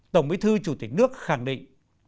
tổng bí thư chủ tịch nước khẳng định